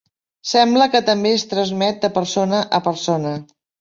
Sembla que també es transmet de persona a persona.